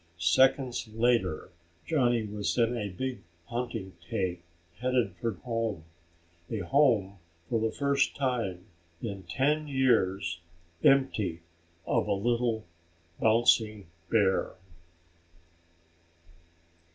Seconds later Johnny was in a big hunting tank headed for home, a home for the first time in ten years empty of a little bouncing bear.